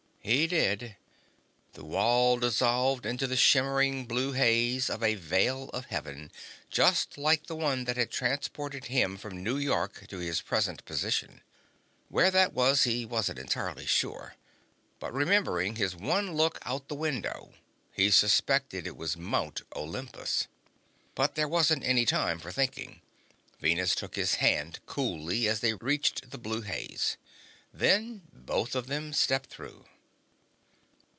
He did. The wall dissolved into the shimmering blue haze of a Veil of Heaven, just like the one that had transported him from New York to his present position. Where that was, he wasn't entirely sure, but remembering his one look out the window, he suspected it was Mount Olympus. But there wasn't any time for thinking. Venus took his hand coolly as they reached the blue haze. Then both of them stepped through.